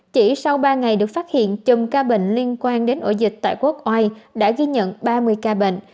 chỉ sau ba ngày được phát hiện chùm ca bệnh liên quan đến ổ dịch tại quốc oai đã ghi nhận ba mươi ca bệnh